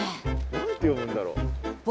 何て読むんだろう？